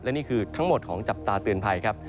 และนี่คือทั้งหมดของจับตาเตือนภัยครับ